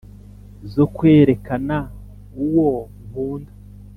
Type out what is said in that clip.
zo kwerekaana uwo nkunda